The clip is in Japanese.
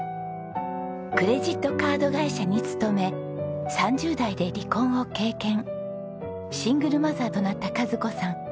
クレジットカード会社に勤め３０代で離婚を経験シングルマザーとなった和子さん。